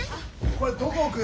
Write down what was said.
これどこ置く？